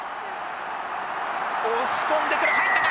押し込んでくる入ったか？